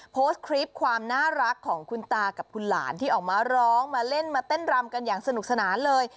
โพสต์คลิปความน่ารักของคุณตากับคุณหลานที่ออกมาร้องมาเล่นมาเต้นรำกันอย่างสนุกสนานเลย